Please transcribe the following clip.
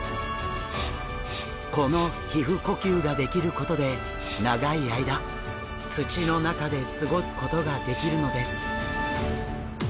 この皮膚呼吸ができることで長い間土の中で過ごすことができるのです。